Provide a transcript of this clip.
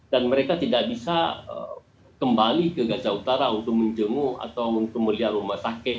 dan mereka tidak bisa kembali ke gaza utara untuk menjemuh atau untuk melihat rumah sakit